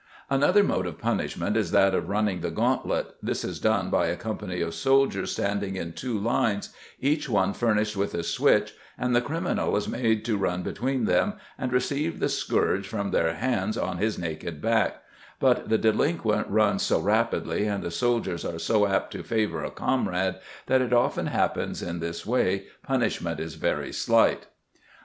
"Another mode of punishment is that of running the gauntlet, this is done by a company of soldiers standing in two lines, each one furnished with a switch and the criminal is made to run between them and receive the scourge from their hands on his naked back; but the delinquent runs so rapidly and the soldiers are so apt to favor a comrade that it often happens in this way punishment is very slight".